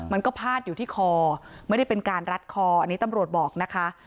มันก็พาดอยู่ที่คอไม่ได้เป็นการรัดคออันนี้ตำรวจบอกนะคะ